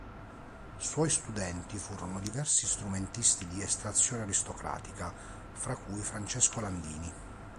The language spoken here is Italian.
Suoi studenti furono diversi strumentisti di estrazione aristocratica, fra cui Francesco Landini.